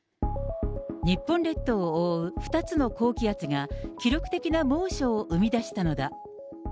日本列島を覆う２つの高気圧が、記録的な猛暑を生み出したのだ。